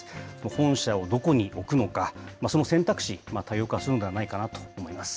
本社をどこに置くのか、その選択肢、多様化するのではないかなと思います。